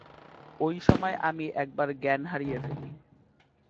ঐসময়েই আমি একবার জ্ঞান হারিয়ে ফেলি।